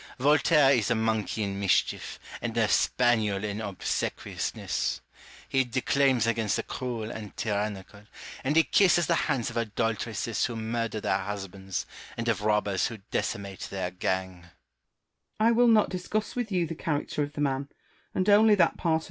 Voltaire is a monkey in mischief, and a spaniel in obsequiousness. He declaims against the cruel and tyrannical ; and he kisses the hands of adultresses who 252 IMAGINARY CONVERSATIONS. murder their husbands, and of robbers who decimate their gang.